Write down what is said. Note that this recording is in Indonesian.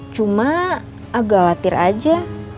cuma agak khawatir aja